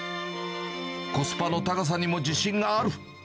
コスパの高さにも自信がある。